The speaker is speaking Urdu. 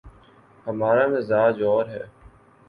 ہمارامزاج اور ہے۔